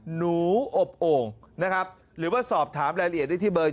หนูอบโอ่งนะครับหรือว่าสอบถามรายละเอียดได้ที่เบอร์